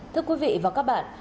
thưa quý vị và các bạn